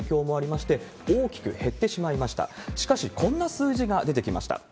しかし、こんな数字が出てきました。